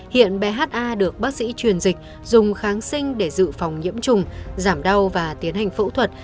hiện bha được bác sĩ truyền dịch dùng kháng sinh để dự phòng nhiễm trùng giảm đau và tiến hành phẫu thuật